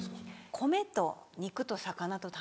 米と肉と魚と卵。